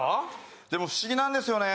でも不思議なんですよね